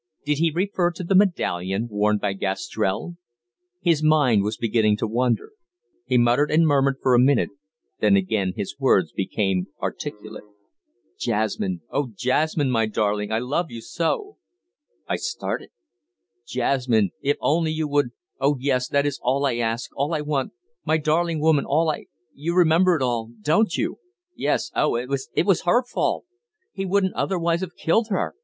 Did he refer to the medallion worn by Gastrell? His mind was beginning to wander. He muttered and murmured for a minute, then again his words became articulate. "Jasmine oh, Jasmine my darling, I love you so!" I started. "Jasmine, if only you would ... oh, yes, that is all I ask, all I want, my darling woman, all I ... you remember it all, don't you? ... yes ... oh, it was her fault ... he wouldn't otherwise have killed her ...